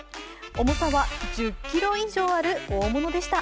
重さは１０ｋｇ以上ある大物でした。